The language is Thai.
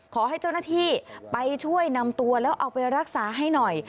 ขอให้เจ้าหน้าที่ไปช่วยนำตัวแล้วเอาไปรักษาให้หน่อย